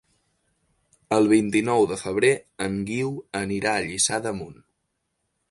El vint-i-nou de febrer en Guiu anirà a Lliçà d'Amunt.